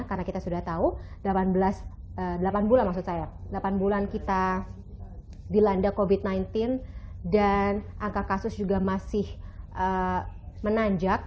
karena kita sudah tahu delapan bulan kita dilanda covid sembilan belas dan angka kasus juga masih menanjak